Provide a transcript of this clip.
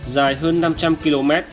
dài hơn năm trăm linh km